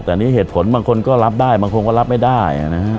แต่นี่เหตุผลบางคนก็รับได้บางคนก็รับไม่ได้นะฮะ